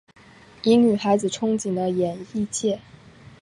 以女孩子憧憬的演艺界和服装设计两种行业为题材的作品很受欢迎。